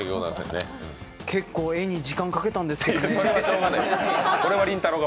結構、絵に時間かけたんですけどね。